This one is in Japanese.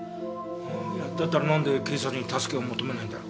いやだったらなんで警察に助けを求めないんだろう？